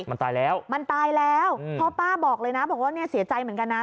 มันตายแล้วมันตายแล้วเพราะป้าบอกเลยนะบอกว่าเนี่ยเสียใจเหมือนกันนะ